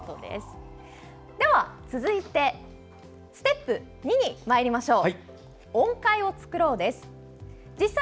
では、続いてステップ２にまいりましょう。